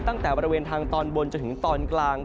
ตั้งแต่บริเวณทางตอนบนจนถึงตอนกลาง